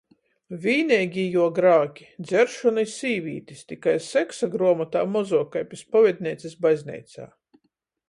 Vīneigī juo grāki - dzeršona i sīvītis, tikai seksa gruomotā mozuok kai pi spovedneicys bazneicā.